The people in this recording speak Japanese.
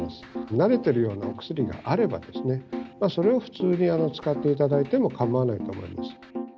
慣れてるようなお薬があればですね、それを普通に使っていただいても構わないと思います。